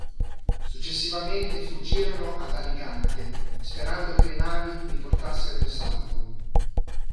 Successivamente fuggirono ad Alicante sperando che le navi li portassero in salvo.